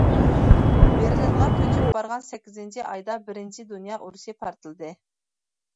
بېرلىنغا كۆچۈپ بارغان سەككىزىنچى ئايدا بىرىنچى دۇنيا ئۇرۇشى پارتلىدى.